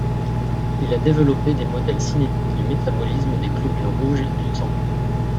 Il a développé des modèles cinétiques du métabolisme des globules rouges du sang.